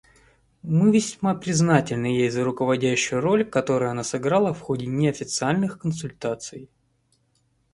Мы весьма признательны ей за руководящую роль, которую она сыграла в ходе неофициальных консультаций.